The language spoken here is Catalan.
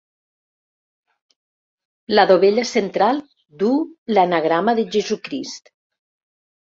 La dovella central duu l'anagrama de Jesucrist.